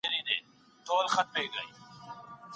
ښایي مړ سړي په ډګر کي ږدن او اتڼ خوښ کړي وي.